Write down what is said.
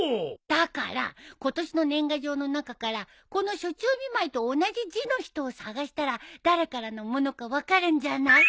だから今年の年賀状の中からこの暑中見舞いと同じ字の人を捜したら誰からのものか分かるんじゃない？